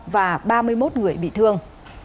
và ba mươi một người bị thương